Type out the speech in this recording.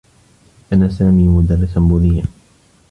كان سامي مدرّسا بوذيّا.